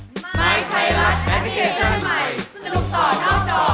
มันไม่ไขหลักแอปพลิเคชันใหม่สนุกต่อน่าวจอ